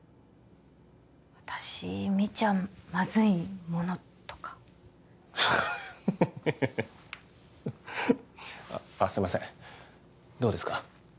私見ちゃまずいものとかフフフフフあっすいませんどうですか？